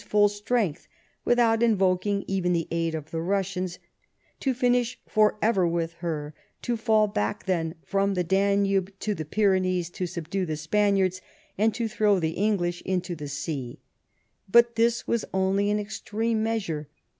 27 full strength, without invoking even the aid of the Russians, to finish for ever with her, to fall back then from the Danube to the Pyrenees to subdue the Spaniards, and to throw the EngHsh into the sea. But this was only an extreme measure.